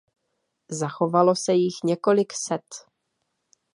Zachovalo se jich několik set.